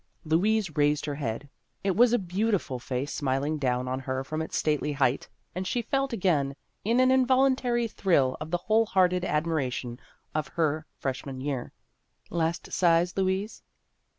Louise raised her head. It was a beauti ful face smiling down on her from its stately height, and she felt again an in voluntary thrill of the whole hearted admiration of her freshman year. " Last sighs, Louise